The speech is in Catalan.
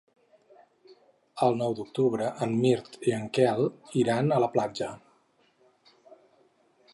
El nou d'octubre en Mirt i en Quel iran a la platja.